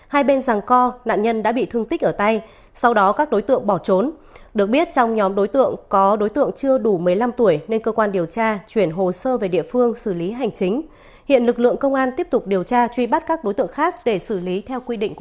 hãy đăng ký kênh để ủng hộ kênh của chúng mình nhé